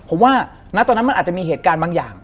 ผมว่าณตอนนั้นมันอาจจะมีเหตุการณ์บางอย่าง